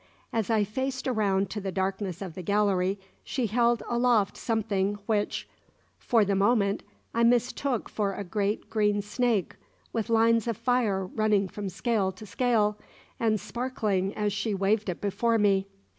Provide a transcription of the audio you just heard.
As I faced around to the darkness of the gallery, she held aloft something which, for the moment, I mistook for a great green snake with lines of fire running from scale to scale and sparkling as she waved it before me.